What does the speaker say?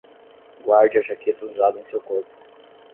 Guarde a jaqueta usada em seu corpo